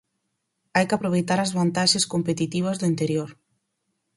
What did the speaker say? Hai que aproveitar as vantaxes competitivas do interior.